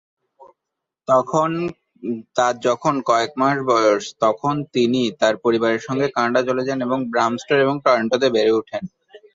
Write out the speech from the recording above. তার যখন কয়েক মাস বয়স তখন তিনি তার পরিবারের সঙ্গে কানাডা চলে যান এবং ব্রাম্পটোন-টরন্টোতে বেড়ে উঠেন।